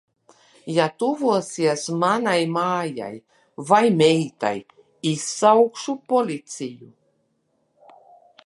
Ja tuvosies manai mājai vai meitai, izsaukšu policiju.